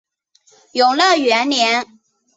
永乐元年。